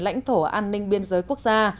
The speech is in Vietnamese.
lãnh thổ an ninh biên giới quốc gia